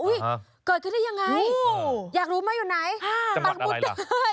อุ๊ยเกิดขึ้นได้ยังไงอยากรู้มันอยู่ไหนตกมุดเสริม